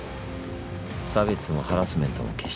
差別もハラスメントも決して許さない。